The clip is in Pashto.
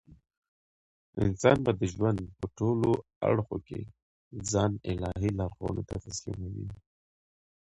انسان به د ژوند په ټولو اړخو کښي ځان الهي لارښوونو ته تسلیموي.